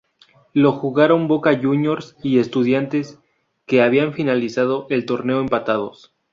Lo jugaron Boca Juniors y Estudiantes, que habían finalizado el torneo empatados.